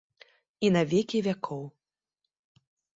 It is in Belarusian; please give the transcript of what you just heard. І на векі вякоў.